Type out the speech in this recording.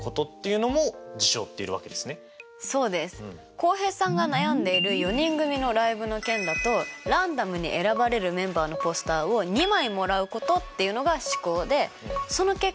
浩平さんが悩んでいる４人組のライブの件だとランダムに選ばれるメンバーのポスターを２枚もらうことっていうのが試行でその結果